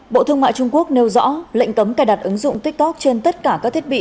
bộ thương mại trung quốc nêu rõ lệnh cấm cài đặt ứng dụng tiktok trên tất cả các thiết bị